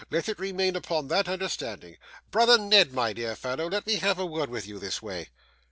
Let it remain upon that understanding. Brother Ned, my dear fellow, let me have a word with you this way.